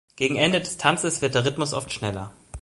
Gegen Ende des Tanzes wird der Rhythmus oft schneller.